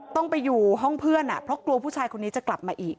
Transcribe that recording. ต้องไปอยู่ห้องเพื่อนเพราะกลัวผู้ชายคนนี้จะกลับมาอีก